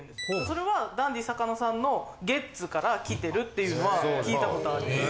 それはダンディ坂野さんの「ゲッツ！」からきてるっていうのは聞いたことあるんで。